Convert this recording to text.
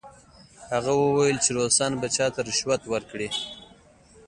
هغه وویل چې روسان به چا ته رشوت ورکړي؟